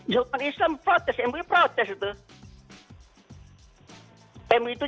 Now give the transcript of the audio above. jawa timur protes mui protes itu